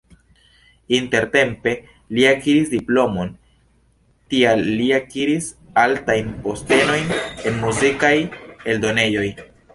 Intertempe li akiris diplomon, tial li akiris altajn postenojn en muzikaj eldonejoj.